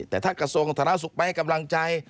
แต่ถ้ากระทรวงธารณสุขไปให้กำลังใจ